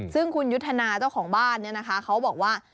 ซึ่งคุณยุทธนาเจ้าของบ้านเนี่ยนะคะเขาบอกว่า